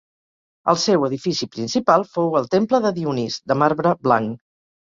El seu edifici principal fou el temple de Dionís, de marbre blanc.